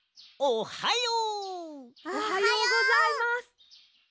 おはよう！おはようございます！